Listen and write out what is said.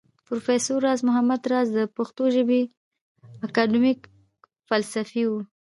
پروفېسر راز محمد راز د پښتو ژبى اکېډمک فلسفى و